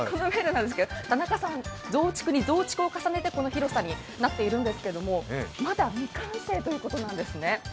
田中さん、増築に増築を重ねてこの広さになっているんですけれども、まだ未完成ということなんですね。